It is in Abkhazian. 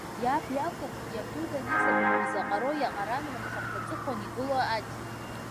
Иаб иакәым, иабдугьы даниз абыржәы изаҟароу иаҟаран рымхырҭа аҵыхәан игылоу аџь.